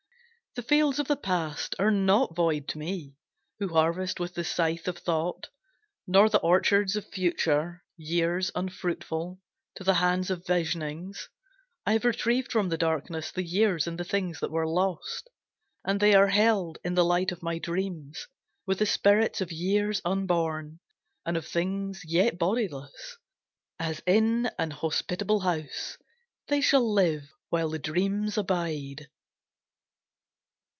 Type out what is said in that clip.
The fields of the past are not void to me, Who harvest with the scythe of thought; Nor the orchards of future years unfruitful To the hands of visionings. I have retrieved from the darkness The years and the things that were lost, And they are held in the light of my dreams, With the spirits of years unborn, And of things yet bodiless. As in an hospitable house, They shall live while the dreams abide.